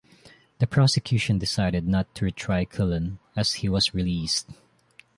The prosecution decided not to retry Killen and he was released.